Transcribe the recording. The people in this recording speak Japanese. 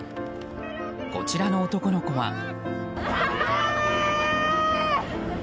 こちらの男の子は。